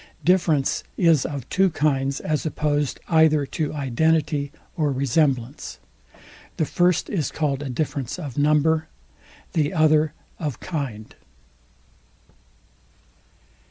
Difference is of two kinds as opposed either to identity or resemblance. The first is called a difference of number; the other of KIND.